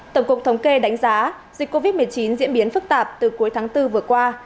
tổng cục thống kê đánh giá dịch covid một mươi chín diễn biến phức tạp từ cuối tháng bốn vừa qua